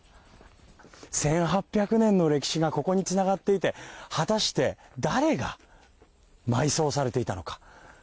１８００年の歴史がここにつながっていて果たして誰が埋葬されていたのか。